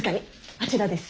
あちらです。